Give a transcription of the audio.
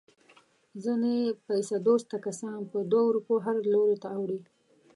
ځنې پیسه دوسته کسان په دوه روپیو هر لوري ته اوړي.